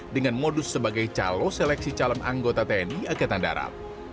dengan modus sebagai calo seleksi calon anggota tni angkatan darat